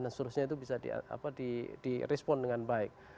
dan seharusnya itu bisa di respon dengan baik